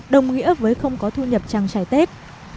đồng nghĩa với không có thu nhập trang trải tết